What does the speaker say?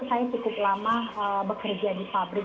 saya cukup lama bekerja di pabrik